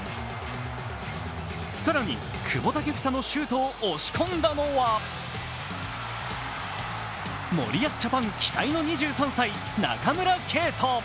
更に久保建英のシュートを押し込んだのは森保ジャパン期待の２３歳、中村敬斗。